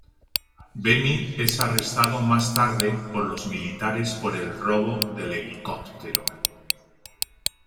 Benny es arrestado más tarde por los militares por el robo del helicóptero.